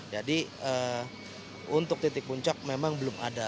jadi untuk titik puncak memang belum ada